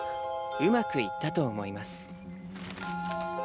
うまくいったと思います。